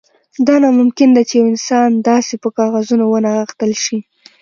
دا ناممکن ده چې یو انسان داسې په کاغذونو ونغښتل شي